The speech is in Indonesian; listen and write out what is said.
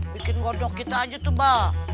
bikin godok kita aja tuh bak